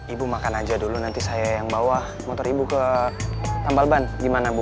ibu makan aja dulu nanti saya yang bawa motor ibu ke tambal ban gimana bu